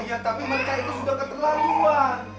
ya tapi mereka itu sudah keterlaluan